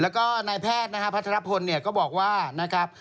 แล้วก็นายแพทย์นะครับพัทรพลเนี่ยก็บอกว่านะครับ